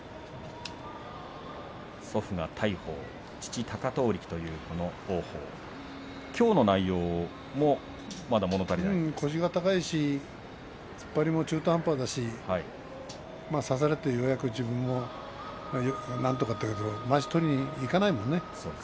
祖父が大鵬父、貴闘力というこの王鵬きょうの内容も腰が高いし突っ張りも中途半端ですし差されてようやく自分もなんとかという感じだけどまわしを取りにいかないもんね。